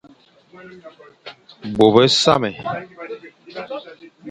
Bô besamé,